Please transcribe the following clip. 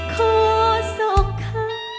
ขอสุขค่ะขอสุขค่ะ